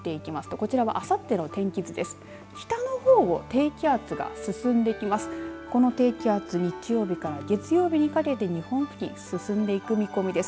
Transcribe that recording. この低気圧、日曜日から月曜日にかけて日本付近進んでいく見込みです。